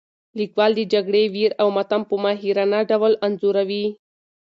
لیکوال د جګړې ویر او ماتم په ماهرانه ډول انځوروي.